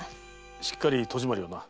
しっかり戸締まりをな。